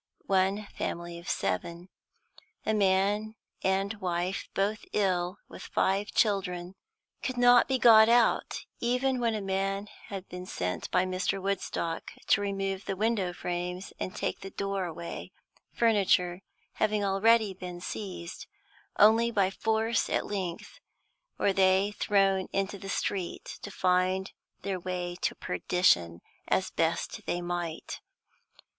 One family of seven, a man and wife (both ill) with five children, could not be got out, even when a man had been sent by Mr. Woodstock to remove the window frames and take the door away, furniture having already been seized; only by force at length were they thrown into the street, to find their way to perdition as best they might.